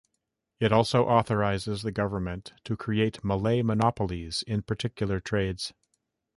It also authorises the government to create Malay monopolies in particular trades.